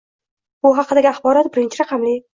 Bu haqidagi axborot birinchi raqamli.